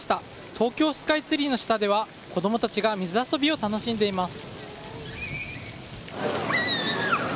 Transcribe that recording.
東京スカイツリーの下では子供たちが水遊びを楽しんでいます。